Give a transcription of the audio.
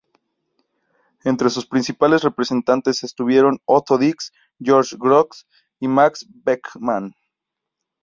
Entre sus principales representantes estuvieron Otto Dix, George Grosz y Max Beckmann.